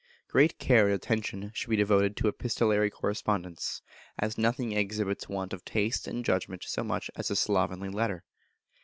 Great care and attention should be devoted to epistolary correspondence, as nothing exhibits want of taste and judgment so much as a slovenly letter.